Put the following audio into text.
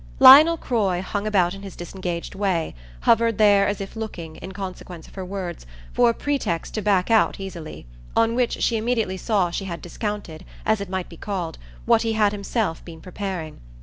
Lionel Croy hung about in his disengaged way hovered there as if looking, in consequence of her words, for a pretext to back out easily: on which she immediately saw she had discounted, as it might be called, what he had himself been preparing.